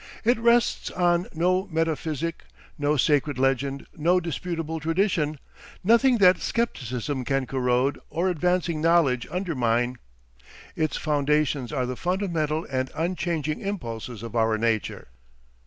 It rests on no metaphysic, no sacred legend, no disputable tradition nothing that scepticism can corrode or advancing knowledge undermine. Its foundations are the fundamental and unchanging impulses of our nature."